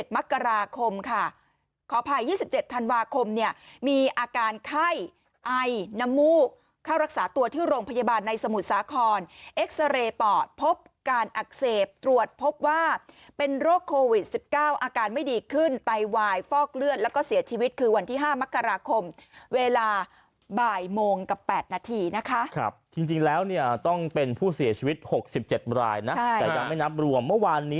มกราคมค่ะขออภัย๒๗ธันวาคมเนี่ยมีอาการไข้ไอน้ำมูกเข้ารักษาตัวที่โรงพยาบาลในสมุทรสาครเอ็กซาเรย์ปอดพบการอักเสบตรวจพบว่าเป็นโรคโควิด๑๙อาการไม่ดีขึ้นไตวายฟอกเลือดแล้วก็เสียชีวิตคือวันที่๕มกราคมเวลาบ่ายโมงกับ๘นาทีนะคะจริงแล้วเนี่ยต้องเป็นผู้เสียชีวิต๖๗รายนะแต่ยังไม่นับรวมเมื่อวานนี้